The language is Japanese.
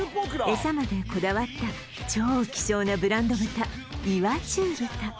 エサまでこだわった超希少なブランド豚岩中豚